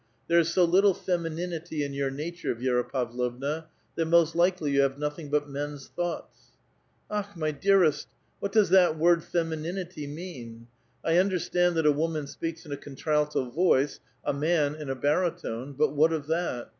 Ihere is so little femininity in your nature, Vi^ra Pavlovna, that most likely joQ have notliing but men's thoughts." '* Akh I my dearest, what does that word ' femininity ' mean ? J understand that a woman speaks in a contralto voice, — a man, in a baritone ; but what of that?